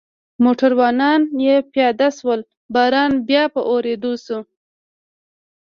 موټروانان یې پیاده شول، باران بیا په ورېدو شو.